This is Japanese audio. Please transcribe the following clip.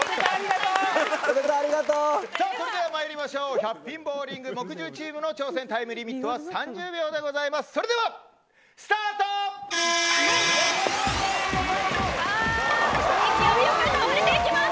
それではまいりましょう１００ピンボウリング木１０チームの挑戦タイムリミットは３０秒です。